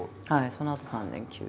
そのあと３年休業。